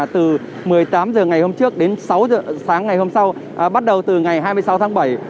từ một mươi tám h ngày hôm trước đến sáu h sáng ngày hôm sau bắt đầu từ ngày hai mươi sáu tháng bảy